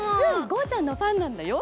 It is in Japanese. ゴーちゃん。のファンなんだよ。